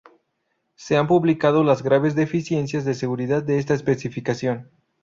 Se han publicado las graves deficiencias de seguridad de esta especificación.